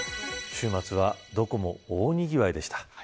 週末はどこも大にぎわいでした。